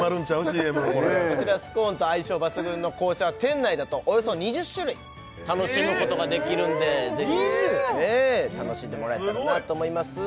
ＣＭこちらスコーンと相性抜群の紅茶店内だとおよそ２０種類楽しむことができるんでぜひ楽しんでもらえたらなと思います